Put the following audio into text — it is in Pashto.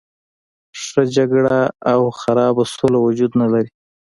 ښه جګړه او خرابه سوله وجود نه لري.